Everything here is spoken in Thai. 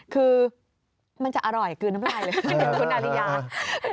คือมันจะอร่อยกลืนน้ำลายเลยคุณอาริยา